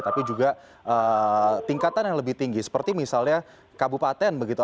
tapi juga tingkatan yang lebih tinggi seperti misalnya kabupaten begitu